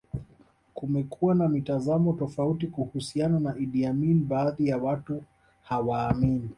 Kumekuwa na mitazamo tofauti kuhusiana na Idi Amin baadhi ya watu hawaamini